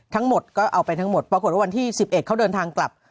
ทั้งหมดก็เอาไปทั้งหมดปรากฏว่าวันที่๑๑เขาเดินทางกลับ